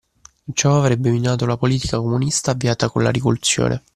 Ciò avrebbe minato la politica comunista avviata con la rivoluzione.